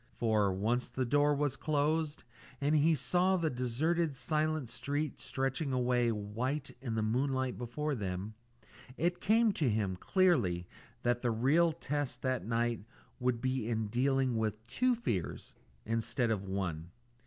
For, once the door was closed, and he saw the deserted silent street stretching away white in the moonlight before them, it came to him clearly that the real test that night would be in dealing with two fears instead of one.